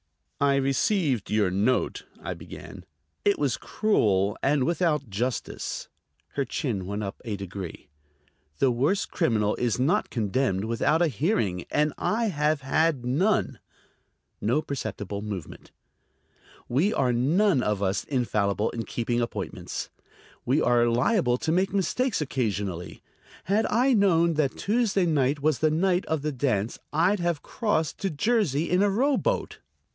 "I received your note," I began. "It was cruel and without justice." Her chin went up a degree. "The worst criminal is not condemned without a hearing, and I have had none." No perceptible movement. "We are none of us infallible in keeping appointments. We are liable to make mistakes occasionally. Had I known that Tuesday night was the night of the dance I'd have crossed to Jersey in a rowboat."